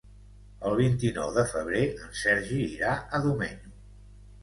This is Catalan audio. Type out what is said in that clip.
El vint-i-nou de febrer en Sergi irà a Domenyo.